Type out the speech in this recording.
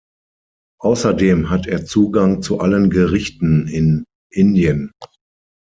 Außerdem hat er Zugang zu allen Gerichten in Indien.